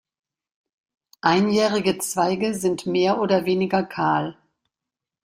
Einjährige Zweige sind mehr oder weniger kahl.